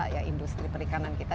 ya industri perikanan kita